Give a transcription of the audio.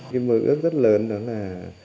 cái mơ ước rất lớn đó là